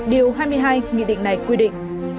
điều hai mươi hai nghị định này quy định